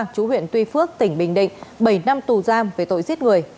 chú huyện tuy phước tỉnh bình định bảy năm tù giam về tội giết người